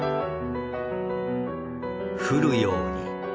降るように。